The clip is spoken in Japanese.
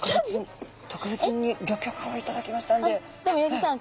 でも八木さん